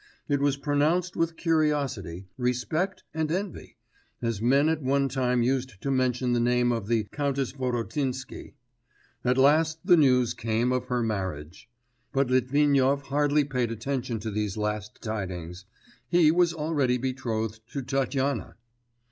It was pronounced with curiosity, respect, and envy, as men at one time used to mention the name of the Countess Vorotinsky. At last the news came of her marriage. But Litvinov hardly paid attention to these last tidings; he was already betrothed to Tatyana.